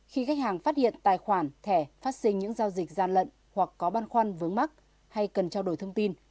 khi khách hàng phát hiện tài khoản thẻ phát sinh những giao dịch gian lận hoặc có băn khoăn vướng mắt hay cần trao đổi thông tin